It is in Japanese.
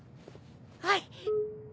はい！